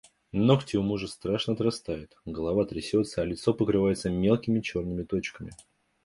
Ногти у мужа страшно отрастают, голова трясётся, а лицо покрывается мелкими чёрными точками.